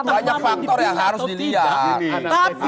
banyak faktor yang harus dilihat